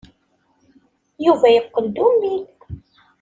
Yuba yeqqel d ummil.